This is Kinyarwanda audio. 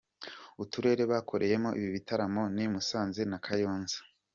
Uturere bakoreyemo ibi bitaramo ni Musanze na Kayonza.